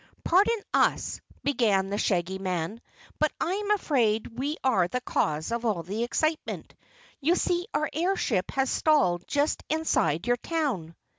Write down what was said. "Pardon us," began the Shaggy Man, "but I am afraid we are the cause of all the excitement. You see our airship has stalled just inside your town."